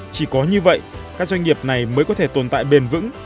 chỉ có như vậy các doanh nghiệp này mới có thể tồn tại bền vững